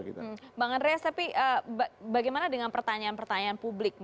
bang andreas tapi bagaimana dengan pertanyaan pertanyaan publik